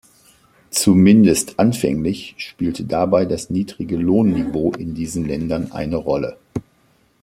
Zumindest anfänglich spielte dabei das niedrige Lohnniveau in diesen Ländern eine Rolle.